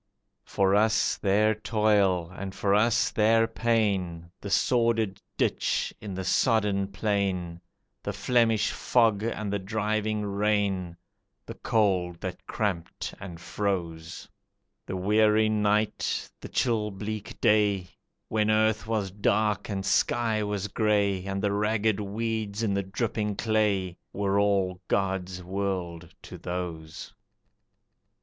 For us their toil and for us their pain, The sordid ditch in the sodden plain, The Flemish fog and the driving rain, The cold that cramped and froze; The weary night, the chill bleak day, When earth was dark and sky was grey, And the ragged weeds in the dripping clay Were all God's world to those.